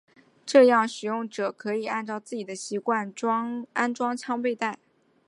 这样使用者可以按照自己的习惯安装枪背带。